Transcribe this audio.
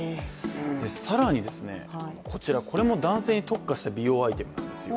更にですね、こちら、これも男性に特化した美容アイテムなんですよ。